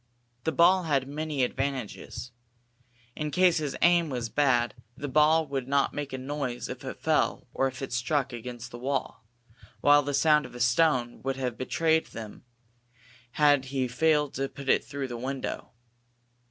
The ball had many advantages. In case his aim was bad, the ball would not make a noise if it fell or if it struck against the wall, while the sound of a stone would have betrayed them had he failed to put it through the window.